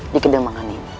di kedemangan ini